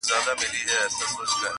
د ژوند صحرا ته مې د مينې باډيوه راؤړې